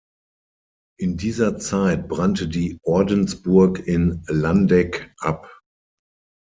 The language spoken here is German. In dieser Zeit brannte die Ordensburg in Landeck ab.